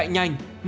vì phụ chạy nhanh